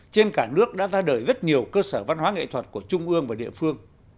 trên cả nước đã ra đời rất nhiều cơ sở văn hóa nghệ thuật của trung ương và địa phương